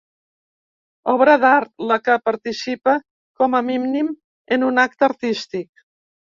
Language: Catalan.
Obra d'art: la que participa com a mínim en un acte artístic.